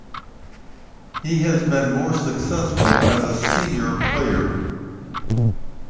He has been more successful as a senior player.